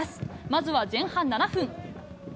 まずは前半７分。